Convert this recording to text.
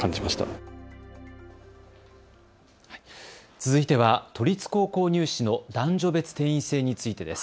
続いては都立高校入試の男女別定員制についてです。